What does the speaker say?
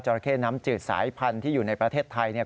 ราเข้น้ำจืดสายพันธุ์ที่อยู่ในประเทศไทยเนี่ย